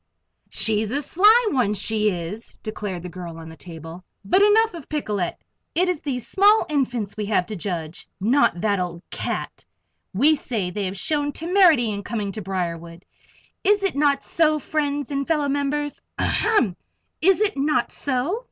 "She's a sly one, she is," declared the girl on the table. "But, enough of Picolet. It is these small infants we have to judge; not that old cat. We say they have shown temerity in coming to Briarwood is it not so, friends and fellow members ahem! is it not so?"